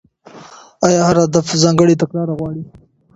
ايا هر هدف ځانګړې تګلاره غواړي؟